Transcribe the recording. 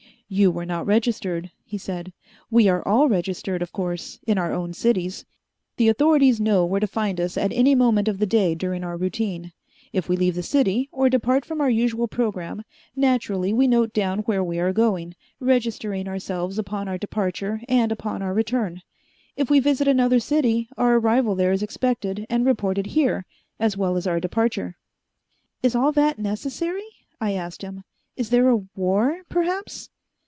"You were not registered," he said. "We are all registered, of course, in our own cities. The authorities know where to find us at any moment of the day during our routine. If we leave the city, or depart from our usual program, naturally we note down where we are going, registering ourselves upon our departure and upon our return. If we visit another city, our arrival there is expected and reported here, as well as our departure." "Is all that necessary?" I asked him. "Is there a war, perhaps?"